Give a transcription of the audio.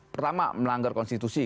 pertama melanggar konstitusi